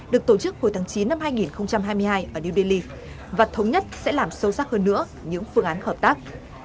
được tổ chức hồi tháng chín năm hai nghìn hai mươi hai ở new delhi và thống nhất sẽ làm sâu sắc hơn nữa những phương án hợp tác